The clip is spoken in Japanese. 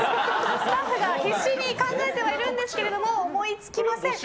スタッフが必死に考えてはいるんですけど思いつきません。